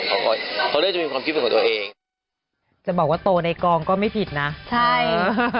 เขาได้จะมีความคิดเป็นของตัวเอง